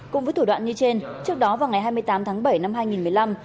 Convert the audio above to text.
cùng với thủ đoạn như trên trước đó vào ngày hai mươi tám tháng bảy năm hai nghìn một mươi năm